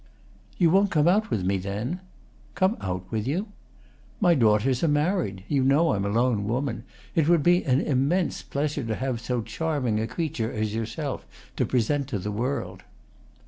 "You won't come out with me then?" "Come out with you?" "My daughters are married. You know I'm a lone woman. It would be an immense pleasure to me to have so charming a creature as yourself to present to the world."